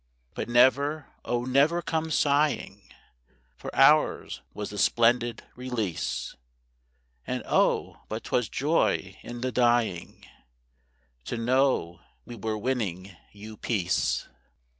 'But never, oh, never come sighing, For ours was the Splendid Release; And oh, but 'twas joy in the dying To know we were winning you Peace!